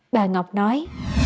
bà ngọc nói